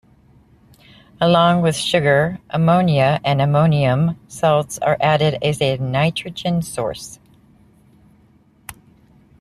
Along with sugar, ammonia and ammonium salts are added as a nitrogen source.